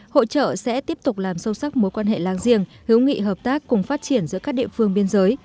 hội trợ sẽ tiếp tục làm sâu sắc mối quan hệ lang riêng hướng nghị hợp tác cùng phát triển giữa các địa phương biên giới